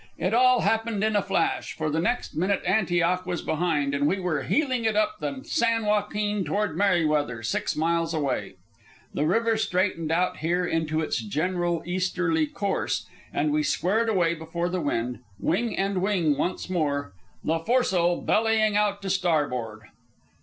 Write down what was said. It all happened in a flash, for the next minute Antioch was behind and we were heeling it up the San Joaquin toward Merryweather, six miles away. The river straightened out here into its general easterly course, and we squared away before the wind, wing and wing once more, the foresail bellying out to starboard.